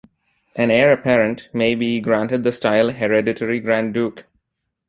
An heir apparent may be granted the style 'Hereditary Grand Duke'.